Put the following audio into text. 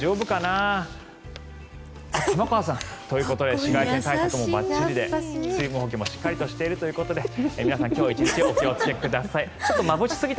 あ、玉川さん！ということで紫外線対策もばっちりで水分補給もしっかりとしているということで皆さん今日１日お気をつけください。